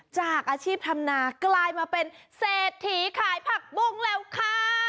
จากอาชีพทำนากลายมาเป็นเศรษฐีขายผักบุ้งแล้วค่ะ